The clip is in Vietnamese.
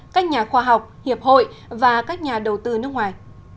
các nhà khoa học hiệp hội và các nhà đầu tư nước ngoài